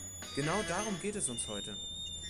Genau darum geht es uns heute.